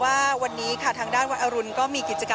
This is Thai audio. พาคุณผู้ชมไปติดตามบรรยากาศกันที่วัดอรุณราชวรรมหาวิหารค่ะ